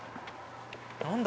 何だ？